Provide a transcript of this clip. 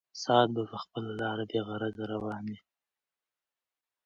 ساعت به په خپله لاره بېغرضه روان وي.